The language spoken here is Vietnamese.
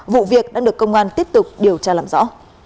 vụ việc đã được công an tiếp tục điều tra làm rõ